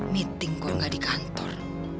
meeting kok gak di kantor